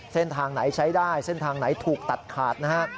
เส้นทางไหนใช้ได้เส้นทางไหนถูกตัดขาดนะฮะ